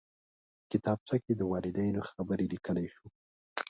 کتابچه کې د والدینو خبرې لیکلی شو